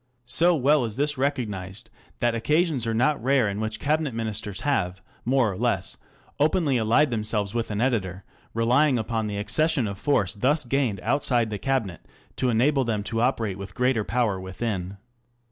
So well is this recognized that occasions are not rare in which Cabinet Ministers have more or less openly allied themselves with an editor, relying upon the accession of force thus gained outside the Cabinet, to enable them to operate with greater power within.